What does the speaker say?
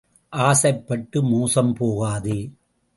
ஆசைப்பட்டு மோசம் போகாதே.